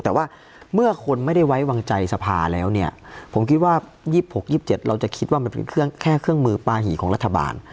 แต่ว่าเมื่อคนไม่ได้ไว้วางใจสภาแล้วเนี่ยผมคิดว่า๒๖๒๗เราจะคิดว่ามันเป็นแค่เครื่องมือปาหี่ของรัฐบาล